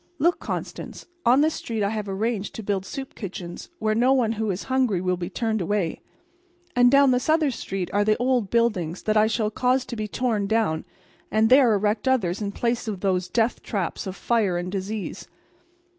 Look, Constance! On this street I have arranged to build soup kitchens, where no one who is hungry will be turned away. And down this other street are the old buildings that I shall cause to be torn down and there erect others in place of those death traps of fire and disease."